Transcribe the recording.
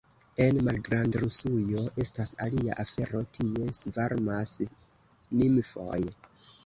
En Malgrandrusujo estas alia afero, tie svarmas nimfoj.